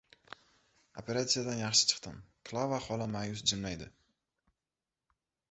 — Operatsiyadan yaxshi chiqdim, — Klava xola ma’yus jilmaydi.